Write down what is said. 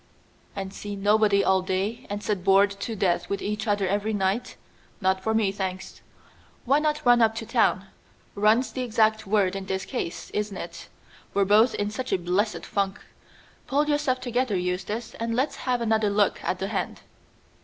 "And see nobody all day, and sit bored to death with each other every night. Not for me thanks. Why not run up to town? Run's the exact word in this case, isn't it? We're both in such a blessed funk. Pull yourself together Eustace, and let's have another look at the hand."